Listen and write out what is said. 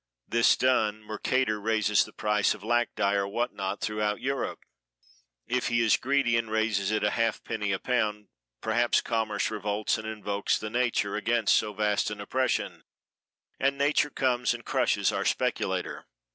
This done mercator raises the price of lac dye or what not throughout Europe. If he is greedy and raises it a halfpenny a pound, perhaps commerce revolts and invokes nature against so vast an oppression, and nature comes and crushes our speculator.